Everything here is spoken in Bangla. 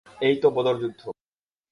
এই তো বদর যুদ্ধ।